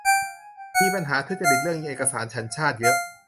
มีปัญหาทุจริตเรื่องเอกสารสัญชาติเยอะ